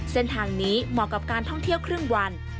เส้นทางนี้เหมาะกับการท่องเที่ยวครึ่งวัน